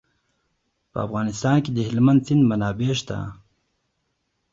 په افغانستان کې د هلمند سیند منابع شته.